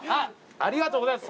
ありがとうございます。